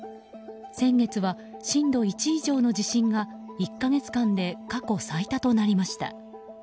先月は震度１以上の地震が１か月間で過去最多となりました。